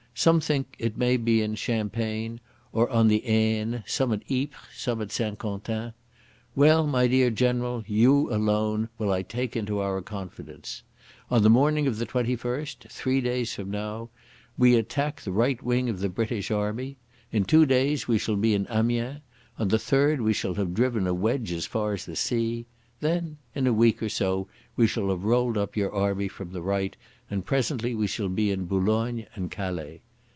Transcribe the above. Some think it may be in Champagne or on the Aisne, some at Ypres, some at St Quentin. Well, my dear General, you alone will I take into our confidence. On the morning of the 21st, three days from now, we attack the right wing of the British Army. In two days we shall be in Amiens. On the third we shall have driven a wedge as far as the sea. Then in a week or so we shall have rolled up your army from the right, and presently we shall be in Boulogne and Calais.